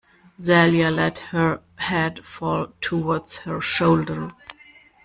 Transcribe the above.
Celia let her head fall towards her shoulder.